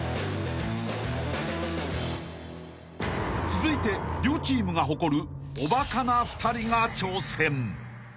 ［続いて両チームが誇るおバカな２人が挑戦］